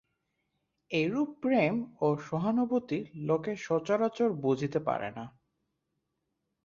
এরূপ প্রেম ও সহানুভূতি লোকে সচরাচর বুঝিতে পারে না।